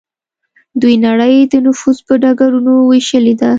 دوی نړۍ د نفوذ په ډګرونو ویشلې ده